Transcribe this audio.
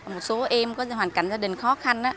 một số em có hoàn cảnh gia đình khó khăn á